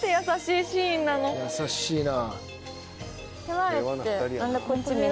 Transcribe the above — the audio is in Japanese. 優しいな。